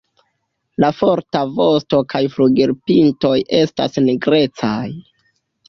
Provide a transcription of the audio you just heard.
La forta vosto kaj flugilpintoj estas nigrecaj.